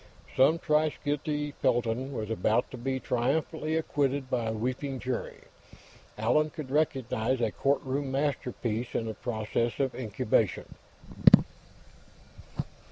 Some thrice guilty felon was about to be triumphantly acquitted by a weeping jury; Allan could recognize a courtroom masterpiece in the process of incubation.